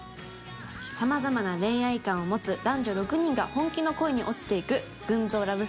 さまざまな恋愛観を持つ男女６人が本気の恋に落ちていく群像ラブストーリーです。